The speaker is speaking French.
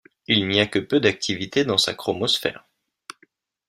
Il n'y a que peu d'activité dans sa chromosphère.